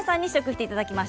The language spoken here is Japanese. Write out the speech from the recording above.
いただきます。